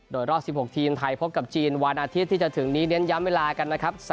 โดยรอบ๑๖ทีมไทยพบกับจีนวันอาทิตย์ที่จะถึงนี้เน้นย้ำเวลากันนะครับ